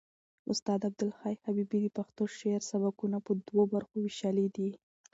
استاد عبدالحی حبیبي د پښتو شعر سبکونه په دوو برخو وېشلي دي.